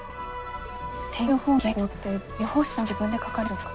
天気予報の原稿って予報士さんが自分で書かれるんですか？